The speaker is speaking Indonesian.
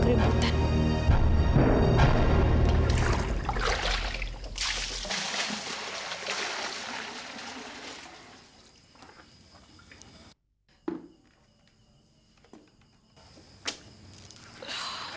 baik baik baik baik